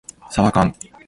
さばかん